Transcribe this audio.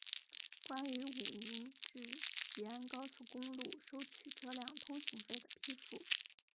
关于武宁至吉安高速公路收取车辆通行费的批复